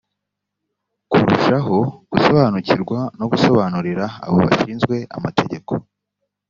kurushaho gusobanukirwa no gusobanurira abo bashinzwe amategeko